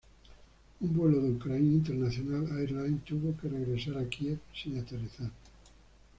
Un vuelo de Ukraine International Airlines tuvo que regresar a Kiev sin aterrizar.